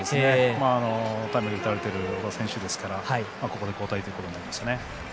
タイムリーを打たれている選手ですからここで交代ということになりましたね。